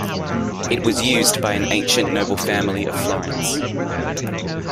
It was used by an ancient noble family of Florence.